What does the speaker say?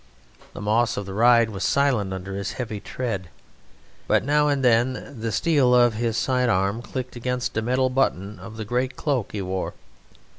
The moss of the ride was silent under his heavy tread, but now and then the steel of his side arm clicked against a metal button of the great cloak he wore.